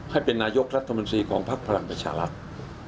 ให้เป็นนายกรัฐมนตรีของภักดิ์พลังประชารัฐ